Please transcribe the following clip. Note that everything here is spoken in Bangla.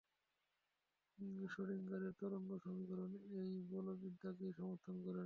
শ্রোডিংগারের তরঙ্গ সমীকরণ এই বলবিদ্যাকেই সমর্থন করে।